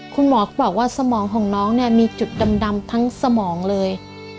คุณหมอก็บอกว่าสมองของน้องเนี่ยมีจุดดำทั้งสมองเลย